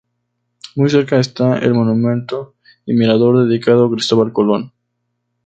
Muy cerca está el monumento y mirador dedicado a Cristóbal Colón.